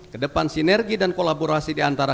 ke depan sinergi dan kolaborasi diantara